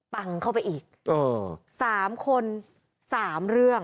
ปังเข้าไปอีก๓คน๓เรื่อง